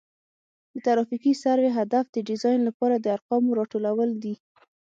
د ترافیکي سروې هدف د ډیزاین لپاره د ارقامو راټولول دي